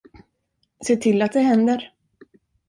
Se till att det händer.